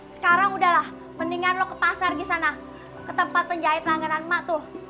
sekarang udahlah mendingan lo ke pasar di sana ke tempat penjahit langganan mak tuh